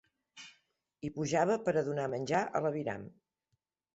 Hi pujava pera donar menjar a la viram